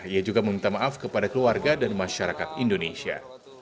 ia juga meminta maaf kepada keluarga dan masyarakat indonesia